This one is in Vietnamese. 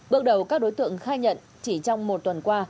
bước đầu các đối tượng khai nhận chỉ trong một tuần qua